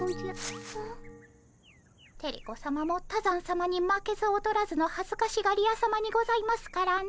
テレ子さまも多山さまに負けず劣らずのはずかしがり屋さまにございますからね。